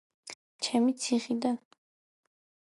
ჩემი ციხიდან...